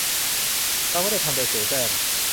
เราไม่ได้ทำโดยเสแสร้ง